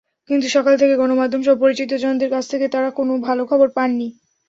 কিন্তু সকাল থেকে গণমাধ্যমসহ পরিচিতজনদের কাছ থেকে তাঁরা কোনো ভালো খবর পাননি।